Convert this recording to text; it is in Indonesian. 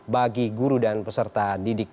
bagi guru dan peserta didik